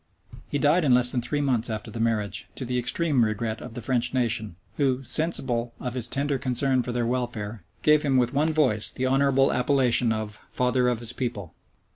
} He died in less than three months after the marriage, to the extreme regret of the French nation, who, sensible of his tender concern for their welfare, gave him with one voice the honorable appellation of "father of his people."